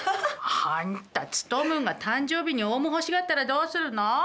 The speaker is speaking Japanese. あんたツトムンが誕生日にオウム欲しがったらどうするの？